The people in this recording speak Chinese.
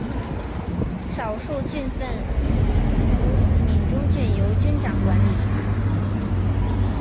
少数郡份如闽中郡由君长管理。